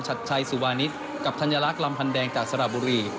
ชัดชัยสุวานิสกับธัญลักษ์ลำพันแดงจากสระบุรี